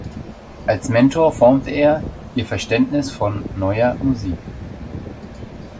Als Mentor formte er ihr Verständnis von (Neuer) Musik.